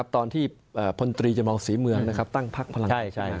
ตอนที่พลตรีจำลองศรีเมืองตั้งพักพลัง